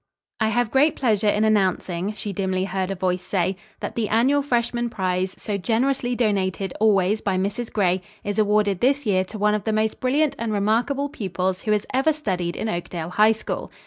"I have great pleasure in announcing," she dimly heard a voice say, "that the annual freshman prize, so generously donated always by Mrs. Gray, is awarded this year to one of the most brilliant and remarkable pupils who has ever studied in Oakdale High School.